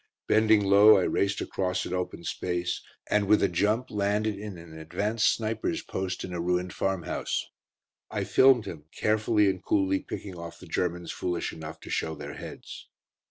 Bending low, I raced across an open space, and with a jump landed in an advanced sniper's post, in a ruined farm house. I filmed him, carefully and coolly picking off the Germans foolish enough to show their heads.